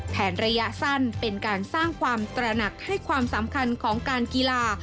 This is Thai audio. ระยะสั้นเป็นการสร้างความตระหนักให้ความสำคัญของการกีฬา